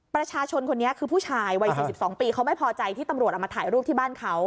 ประชาชนคนนี้คือผู้ชายวัย๔๒ปีเขาไม่พอใจที่ตำรวจเอามาถ่ายรูปที่บ้านเขา